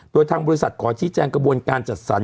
โดยทางบริษัทขอชี้แจงกระบวนการจัดสรร